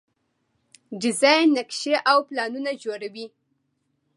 ډیزاین نقشې او پلانونه جوړوي.